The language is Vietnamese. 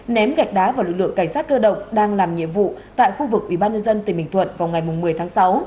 ném gạch đá vào lực lượng cảnh sát cơ động đang làm nhiệm vụ tại khu vực ubnd tỉnh bình thuận vào ngày một mươi tháng sáu